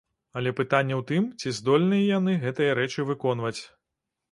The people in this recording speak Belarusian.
Але пытанне ў тым, ці здольныя яны гэтыя рэчы выконваць?